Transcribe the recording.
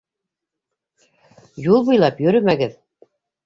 Юл буйлап йөрөмәгеҙ.